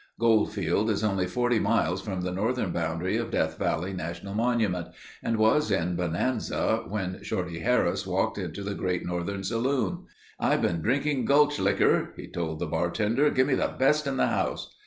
Goldfield is only 40 miles from the northern boundary of Death Valley National Monument and was in bonanza when Shorty Harris walked into the Great Northern saloon. "I've been drinking gulch likker," he told the bartender. "Give me the best in the house."